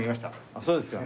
あっそうですか。